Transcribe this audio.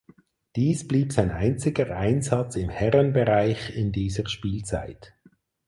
Dies blieb sein einziger Einsatz im Herrenbereich in dieser Spielzeit.